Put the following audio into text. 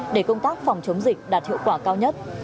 để công tác phòng chống dịch đạt hiệu quả cao nhất